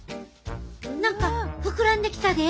何か膨らんできたで。